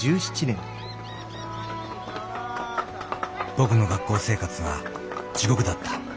僕の学校生活は地獄だった。